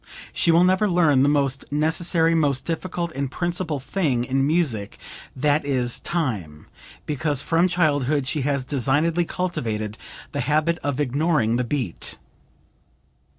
She will never learn the most necessary, most difficult and principal thing in music, that is time, because from childhood she has designedly cultivated the habit of ignoring the beat."